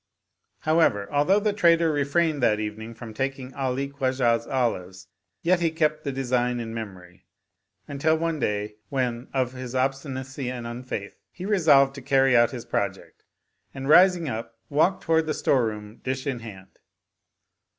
However, although the trader refrained that evening from taking Ali Khwajah's olives, yet he kept the design in memory until one day when, of his obstinacy and unfaith, he resolved to carry out his project; and rising up walked toward the store room dish in hand.